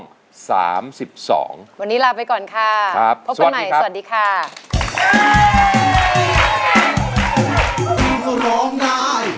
วันนี้ลาไปก่อนค่ะพบกันใหม่สวัสดีค่ะ